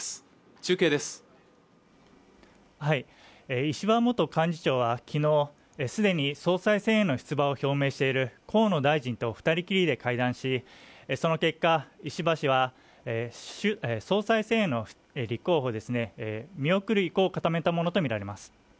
中継です石破元幹事長は昨日すでに総裁選への出馬を表明している河野大臣と二人きりで会談しその結果、石破氏は総裁選への立候補を見送る意向を固めたものと見られます